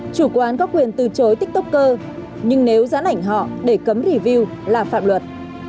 chủ quán có quyền từ chối tiktoker nhưng nếu dãn ảnh họ để cấm review là phạm luật